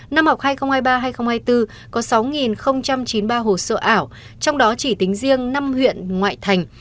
năm học hai nghìn hai mươi ba hai nghìn hai mươi bốn có sáu chín mươi ba hồ sơ ảo trong đó chỉ tính riêng năm huyện ngoại thành